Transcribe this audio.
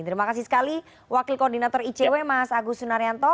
terima kasih sekali wakil koordinator icw mas agus sunaryanto